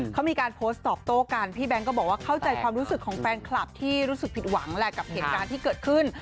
เขามีการโพสต์ตอบโต้กันพี่แบงค์ก็บอกว่าเข้าใจความรู้สึกของแฟนคลับที่รู้สึกผิดหวังแหละกับเหตุการณ์ที่เกิดขึ้น